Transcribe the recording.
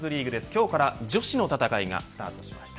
今日から女子の戦いがスタートしました。